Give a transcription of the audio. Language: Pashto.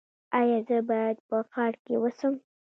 ایا زه باید په ښار کې اوسم؟